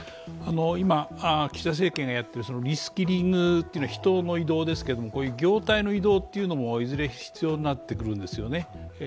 今、岸田政権がやっているリスキリングというのは人の移動ですけど業態の移動というのもいずれ必要になってくるんですよね。